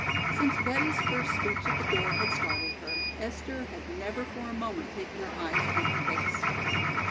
Since Betty's first speech at the door had startled her, Esther had never for a moment taken her eyes from her face.